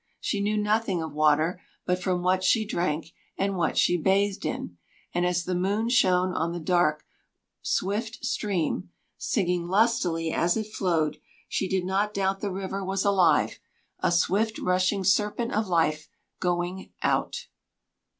She knew nothing of water but from what she drank and what she bathed in; and as the moon shone on the dark, swift stream, singing lustily as it flowed, she did not doubt the river was alive, a swift rushing serpent of life, going out?